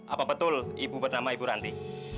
apa betul ibu bernama ibu ranti